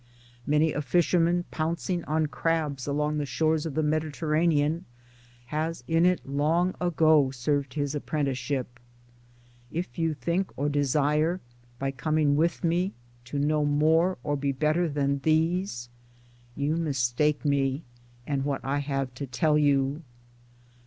Many a fisherman pouncing on crabs along the shores of the Mediterranean has in it long ago served his apprenticeship. If you think or desire by coming with me to know more or be better than these, you mistake me and what I have to tell you.